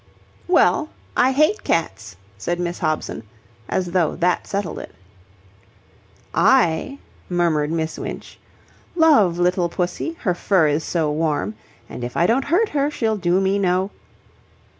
"Well, I hate cats," said Miss Hobson, as though that settled it. "I," murmured Miss Winch, "love little pussy, her fur is so warm, and if I don't hurt her she'll do me no..."